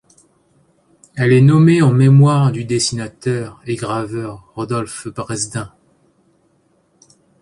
Elle est nommée en mémoire du dessinateur et graveur Rodolphe Bresdin.